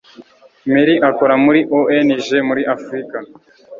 Mary akora muri ONG muri Afrika